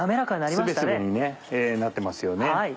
スベスベになってますよね。